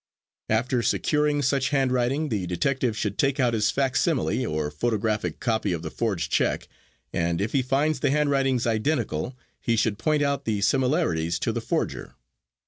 After securing such handwriting the detective should take out his facsimile, or photographic copy of the forged check, and if he finds the handwritings identical, he should point out the similarities to the forger.